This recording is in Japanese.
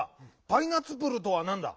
「パイナツプル」とはなんだ？